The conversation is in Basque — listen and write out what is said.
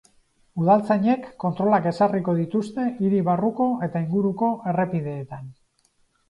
Udaltzainek kontrolak ezarriko dituzte hiri barruko eta inguruko errepideetan.